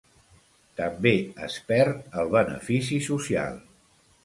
També es perd el benefici social.